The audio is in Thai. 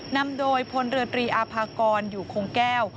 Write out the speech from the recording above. นำโดยพลเรือตรีอาภากรอยู่คงแก้ว